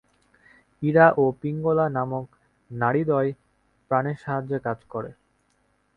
ইড়া ও পিঙ্গলা নামক নাড়ীদ্বয় প্রাণের সাহায্যে কাজ করে।